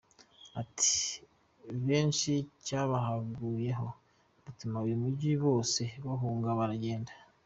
Ati “Benshi cyabagahuyeho bituma uyu mujyi bose bawuhunga baragenda.”